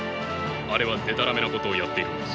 あれはでたらめなことをやっているのです。